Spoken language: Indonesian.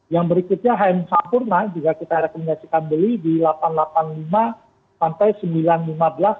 yang berikutnya hm sampurna juga kita rekomendasikan beli di delapan ratus delapan puluh lima sampai seribu sembilan ratus lima belas